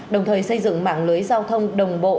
đồng thời xây dựng mạng lưới giao thông đồng bộ